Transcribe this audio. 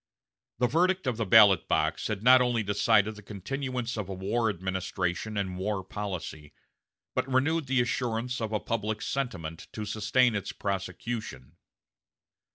The verdict of the ballot box had not only decided the continuance of a war administration and war policy, but renewed the assurance of a public sentiment to sustain its prosecution.